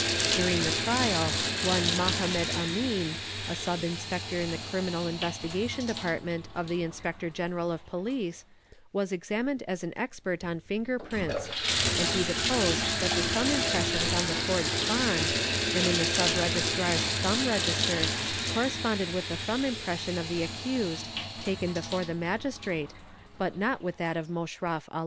"During the trial one Mahomed Amin, a Sub Inspector in the Crim inal Investigation Department of the Inspector General of Police, was examined as an expert on finger prints, and he deposed that the thumb impressions on the forged bond and in the Sub Registrar's thumb register corresponded with the thumb impression of the accused taken before the | Magistrate, but not with that of Moshrof Ah.